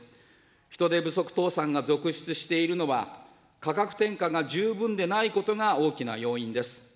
人手不足倒産が続出しているのは、価格転嫁が十分でないことが大きな要因です。